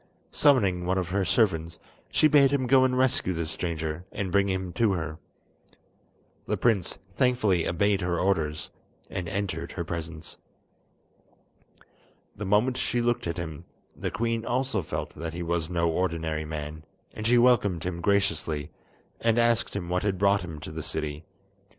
Summoning one of her servants, she bade him go and rescue the stranger, and bring him to her. The prince thankfully obeyed her orders, and entered her presence. The moment she looked at him, the queen also felt that he was no ordinary man, and she welcomed him graciously, and asked him what had brought him to the city.